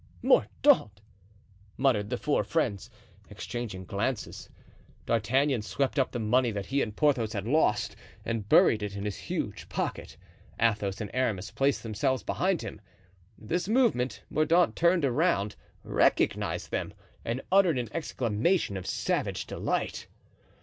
"Mordaunt!" muttered the four friends, exchanging glances. D'Artagnan swept up the money that he and Porthos had lost and buried it in his huge pocket. Athos and Aramis placed themselves behind him. At this movement Mordaunt turned around, recognized them, and uttered an exclamation of savage delight.